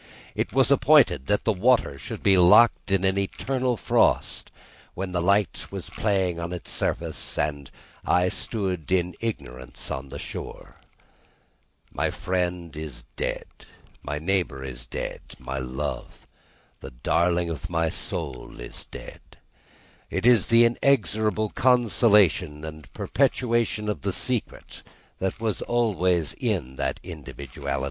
It was appointed that the water should be locked in an eternal frost, when the light was playing on its surface, and I stood in ignorance on the shore. My friend is dead, my neighbour is dead, my love, the darling of my soul, is dead; it is the inexorable consolidation and perpetuation of the secret that was always in that individuality, and which I shall carry in mine to my life's end.